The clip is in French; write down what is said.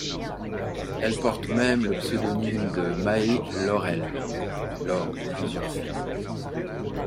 Elle porte même le pseudonyme de Mae Laurel lors de plusieurs films.